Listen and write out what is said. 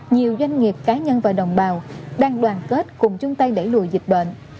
nhiều doanh nghiệp cá nhân và đồng bào đang đoàn kết cùng chung tay đẩy lùi dịch bệnh